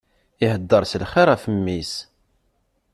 Ihedder s lxir ɣef mmi-s.